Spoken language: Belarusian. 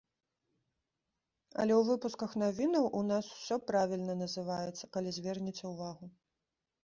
Але ў выпусках навінаў у нас ўсё правільна называецца, калі звернеце ўвагу.